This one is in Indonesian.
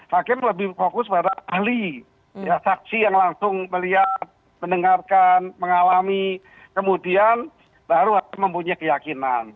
hakim lebih fokus pada ahli saksi yang langsung melihat mendengarkan mengalami kemudian baru mempunyai keyakinan